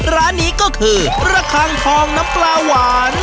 ร้านนี้ก็คือระคังทองน้ำปลาหวาน